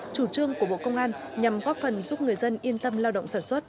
chủ trương của bộ công an nhằm góp phần giúp người dân yên tâm lao động sản xuất